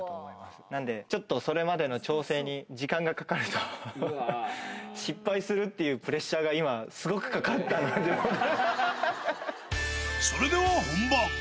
なんで、ちょっとそれまでの調整に時間がかかると、失敗するっていうプレッシャーが今、すごくかそれでは本番。